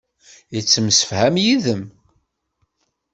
Yettemsefham yid-m.